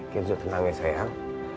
kenzo tenang ya sayang